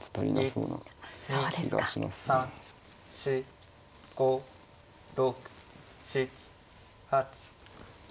４５６７８。